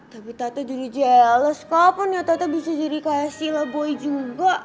tapi tata jadi jeles kapan ya tata bisa jadi kasih lah boy juga